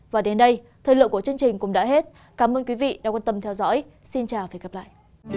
và đến đây thời lượng của chương trình cũng đã hết cảm ơn quý vị đã quan tâm theo dõi xin chào và hẹn gặp lại